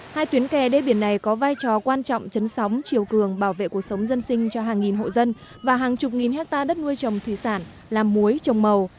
hai tuyến kè đê biển này có vai trò quan trọng chấn sóng chiều cường bảo vệ cuộc sống dân sinh cho hàng nghìn hộ dân và hàng chục nghìn hectare đất nuôi trồng thủy sản làm muối trồng màu